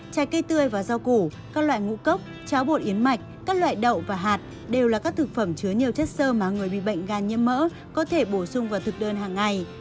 trái cây tươi và rau củ các loại ngũ cốc cháo bột yến mạch các loại đậu và hạt đều là các thực phẩm chứa nhiều chất sơ mà người bị bệnh gan nhiễm mỡ có thể bổ sung vào thực đơn hàng ngày